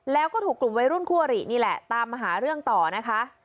แล้วก็ถูกกลุ่มวัยรุ่นคู่อรินี่แหละตามมาหาเรื่องต่อนะคะ